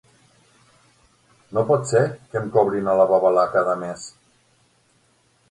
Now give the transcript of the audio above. No pot ser que em cobrin a la babalà cada mes!